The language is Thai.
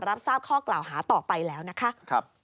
รับทราบข้อกล่าวหาต่อไปแล้วนะคะ